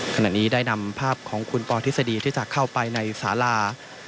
ขณะนี้ได้นำภาพของคุณปอทฤษฎีที่จะเข้าไปในสารา